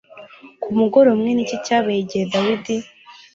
Ku mugoroba umwe ni iki cyabaye igihe Dawidi